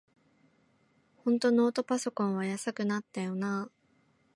ほんとノートパソコンは安くなったよなあ